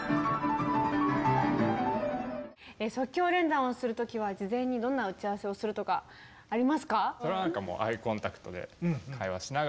即興連弾をする時は事前にどんな打ち合わせをするとかありますか？